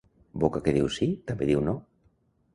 Boca que diu sí també diu no.